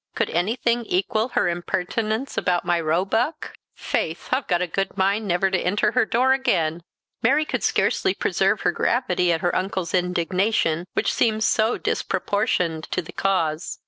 Could anything equal her impertinence about my roebuck? Faith, I've a good mind never to enter her door again!" Mary could scarcely preserve her gravity at her uncle's indignation, which seemed so disproportioned to the cause.